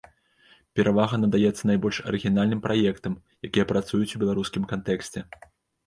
Перавага надаецца найбольш арыгінальным праектам, якія працуюць у беларускім кантэксце.